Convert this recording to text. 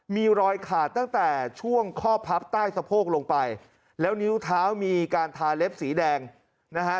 มีรอยขาดตั้งแต่ช่วงข้อพับใต้สะโพกลงไปแล้วนิ้วเท้ามีการทาเล็บสีแดงนะฮะ